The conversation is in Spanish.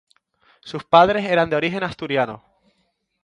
Sus padres eran de origen asturiano.